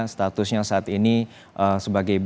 statusnya saat ini sebagai